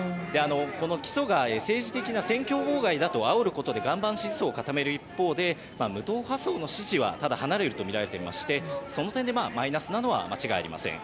この起訴が、政治的な選挙妨害とあおることで岩盤支持層を固める一方で無党派層の支持は離れるとみられていましてその点でマイナスなのは間違いありません。